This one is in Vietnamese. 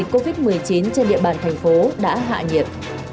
covid một mươi chín trên địa bàn thành phố đã hạ nhiệt